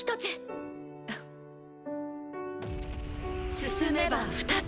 進めば２つ。